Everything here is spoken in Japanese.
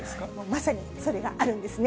まさにそれがあるんですね。